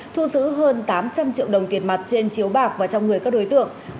thu giữ hơn tám trăm linh triệu đồng tiền mặt trên chiếu bạc và trong người các đối tượng